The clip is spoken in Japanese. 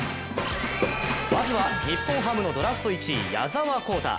まずは日本ハムのドラフト１位矢澤宏太。